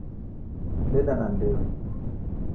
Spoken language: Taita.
Deda na ndeo